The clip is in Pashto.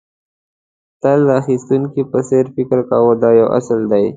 تل د اخيستونکي په څېر فکر کوه دا یو اصل دی.